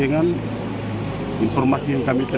anak anak klansia dan disabilitas